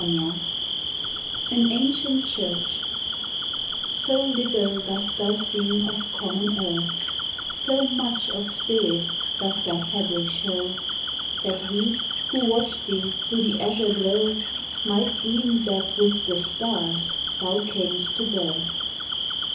III AN ANCIENT CHURCH SO little dost thou seem of common earth, So much of spirit doth thy fabric show, That we, who watch thee through the azure glow, Might deem that with the stars thou cam'st to birth.